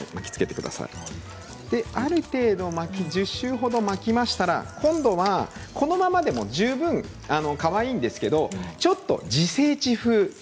ある程度、１０周ほど巻きましたら、今度はこのままでも十分かわいいんですけどちょっと自生地風